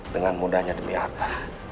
dengan mudahnya demi harta